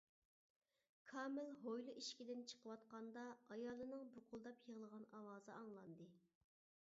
كامىل ھويلا ئىشىكىدىن چىقىۋاتقاندا ئايالىنىڭ بۇقۇلداپ يىغلىغان ئاۋازى ئاڭلاندى.